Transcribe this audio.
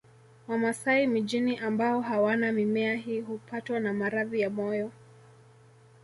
Wamasai mijini ambao hawana mimea hii hupatwa na maradhi ya moyo